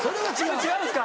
違うんすか！